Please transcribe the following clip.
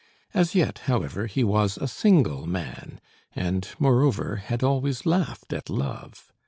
As yet, however, he was a single man, and, moreover, had always laughed at love.